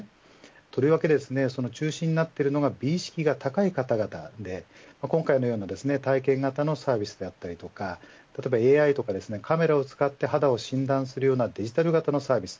とりわけ、中心になっているのが美意識が高い方々で今回のような体験型のサービスであったりＡＩやカメラを使って肌を診断するようなデジタル型のサービス